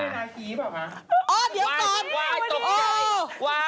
อรุณาคีบอ่ะมา